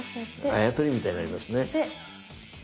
あや取りみたいになりますね。